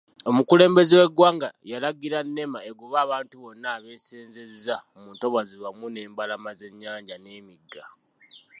Omukulembeze w'eggwanga yalagira Nema egobe abantu bonna abeesenzezza mu ntobazi wamu n'embalama z'ennyanja n'emigga.